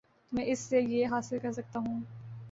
تو میں اس سے یہ حاصل کر سکتا ہوں۔